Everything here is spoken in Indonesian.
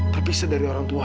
terpisah dari orang tua